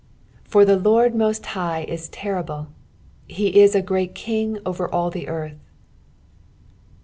2 For the LORD most high t's terrible ; Ae is a great King over all the earth.